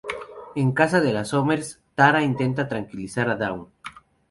En casa de las Summers, Tara intenta tranquilizar a Dawn.